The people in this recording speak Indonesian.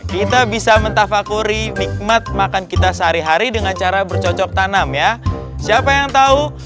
kita bisa mentafakuri nikmat makan kita sehari hari dengan cara tiga atarat tanam yang tetap yang tahu